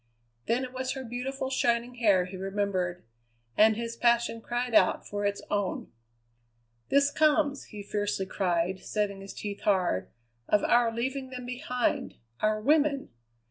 Then it was her beautiful shining hair he remembered, and his passion cried out for its own. "This comes," he fiercely cried, setting his teeth hard, "of our leaving them behind our women!